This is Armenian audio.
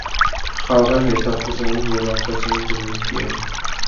Խաղը հետախուզային և արկածային բնույթի է։